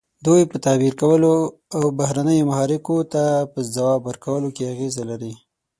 دوی په تعبیر کولو او بهرنیو محرکو ته په ځواب ورکولو کې اغیزه لري.